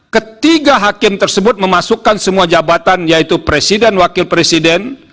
ketiga hakim tersebut memasukkan semua jabatan yaitu presiden wakil presiden